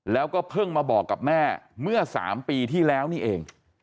แล้วก็เพิ่งมาบอกกับแม่เมื่อ๓ปีที่แล้วนี่เอง